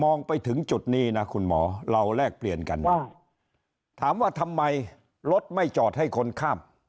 ไปถึงจุดนี้นะคุณหมอเราแลกเปลี่ยนกันถามว่าทำไมรถไม่จอดให้คนข้าม